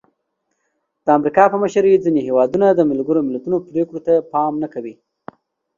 د امریکا په مشرۍ ځینې هېوادونه د ملګرو ملتونو پرېکړو ته پام نه کوي.